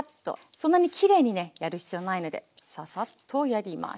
そんなにきれいにねやる必要ないのでササッとやります。